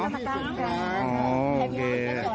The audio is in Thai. อ๋อโอเค